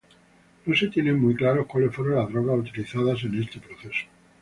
No se tiene muy claro cuáles fueron las drogas utilizadas en este proceso.